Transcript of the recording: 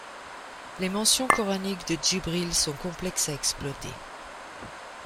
Les mentions coraniques de Djibril sont complexes à exploiter.